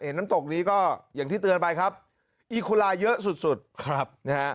น้ำตกนี้ก็อย่างที่เตือนไปครับอีคุลาเยอะสุดสุดครับนะฮะ